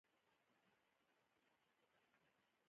د سړک غاړې څراغونو په رڼا کې یو موټر ښکاري چې را روان دی.